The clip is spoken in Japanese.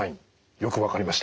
よく分かりました。